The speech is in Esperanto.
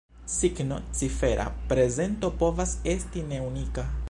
Signo-cifera prezento povas esti ne unika.